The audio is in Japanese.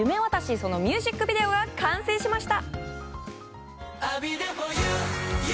そのミュージックビデオが完成しました。